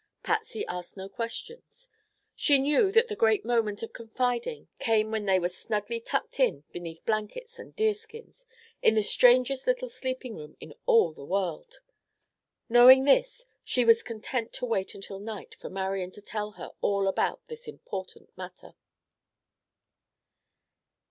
Patsy asked no questions. She knew that the great moment of confiding came when they were snugly tucked in beneath blankets and deerskins in the strangest little sleeping room in all the world. Knowing this, she was content to wait until night for Marian to tell her all about this important matter.